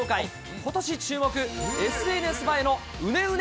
ことし注目、ＳＮＳ映えのうねうね